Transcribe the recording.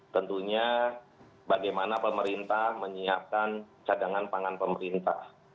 tentunya bagaimana pemerintah menyiapkan cadangan pangan pemerintah